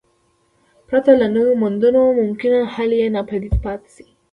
پرته له نویو موندنو ممکن حل یې ناپایده پاتې شي.